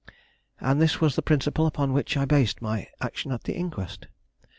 And this was the principle upon which I based my action at the inquest.